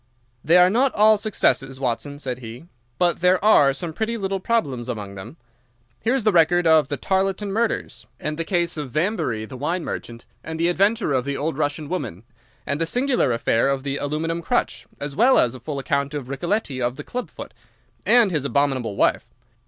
"They are not all successes, Watson," said he. "But there are some pretty little problems among them. Here's the record of the Tarleton murders, and the case of Vamberry, the wine merchant, and the adventure of the old Russian woman, and the singular affair of the aluminium crutch, as well as a full account of Ricoletti of the club foot, and his abominable wife.